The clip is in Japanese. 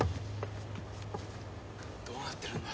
どうなってるんだ？